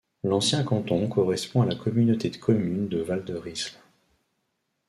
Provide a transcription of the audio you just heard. L'ancien canton correspond à la communauté de communes du Val de Risle.